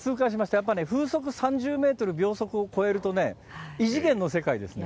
やっぱね、風速３０メートル秒速を超えるとね、異次元の世界ですね。